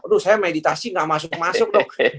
aduh saya meditasi gak masuk masuk dok